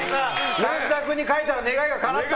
短冊に書いた願いがかなった！